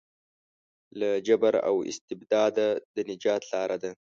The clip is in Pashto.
له جبر او استبداده د نجات لاره ده.